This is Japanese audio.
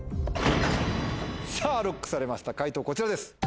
さぁＬＯＣＫされました解答こちらです。